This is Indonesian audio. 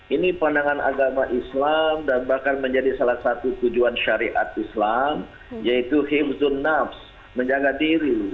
ini pandangan agama islam dan bahkan menjadi salah satu tujuan syariat islam yaitu himzun nabs menjaga diri